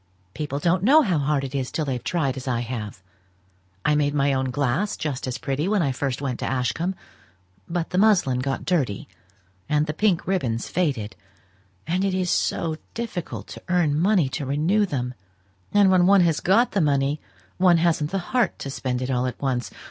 People don't know how hard it is till they've tried as I have. I made my own glass just as pretty when I first went to Ashcombe; but the muslin got dirty, and the pink ribbons faded, and it is so difficult to earn money to renew them; and when one has got the money one hasn't the heart to spend it all at once.